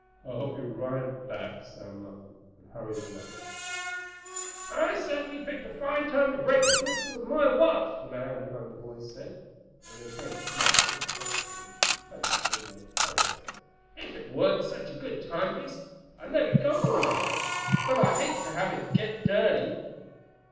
"I'll be right back," Sam muttered, and hurried away. "I certainly picked a fine day to break the crystal of my watch," the man behind the boys said, and they turned to smile sympathetically into his pleasant middle aged face. "If it weren't such a good timepiece, I'd let it go for a while, but I hate to have it get dirty."